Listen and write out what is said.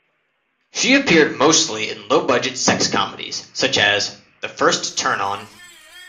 She appeared mostly in low-budget sex comedies, such as The First Turn-On!